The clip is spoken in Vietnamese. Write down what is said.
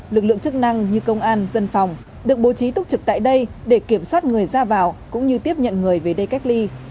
lực lượng chức năng như công an dân phòng được bố trí túc trực tại đây để kiểm soát người ra vào cũng như tiếp nhận người về đây cách ly